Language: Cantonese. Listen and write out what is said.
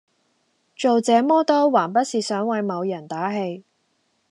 做這麼多還不是想為某人打氣